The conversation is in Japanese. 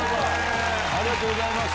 ありがとうございます。